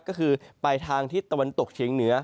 ก็คือไปทางทิศตะวันตกเฉียงเหนือ